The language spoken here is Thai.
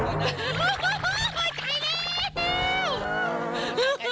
โอ้โฮโอ้ยใจแล้ว